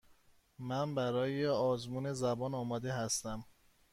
من برای آزمون زبان آماده هستم.